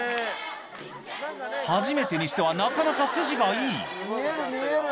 初めてにしてはなかなか筋がいい見える見える！